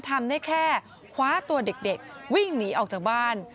ทำได้แค่คว้าตัวเด็กวิ่งหนีออกจากบ้าน